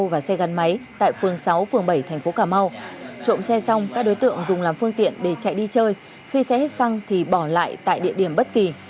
các đối tượng đã trộm xe xong các đối tượng dùng làm phương tiện để chạy đi chơi khi xe hết xăng thì bỏ lại tại địa điểm bất kỳ